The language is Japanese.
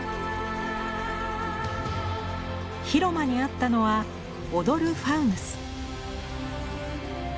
広間にあったのは「踊るファウヌス」。